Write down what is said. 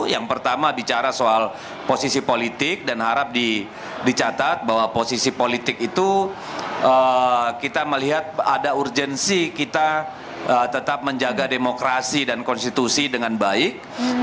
yang pertama bicara soal posisi politik dan harap dicatat bahwa posisi politik itu kita melihat ada urgensi kita tetap menjaga demokrasi dan konstitusi dengan baik